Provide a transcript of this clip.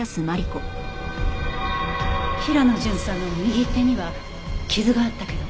平野巡査の右手には傷があったけど。